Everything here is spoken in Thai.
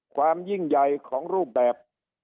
ความยิ่งใหญ่ของรูปแบบ